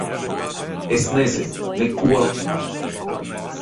Es nezinu. Neko.